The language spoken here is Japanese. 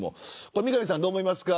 三上さん、どう思いますか。